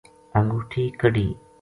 انگوٹھی کَڈھی